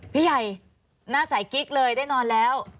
พี่ใหญ่หน้าสายกิ๊กเลยได้นอนแล้ว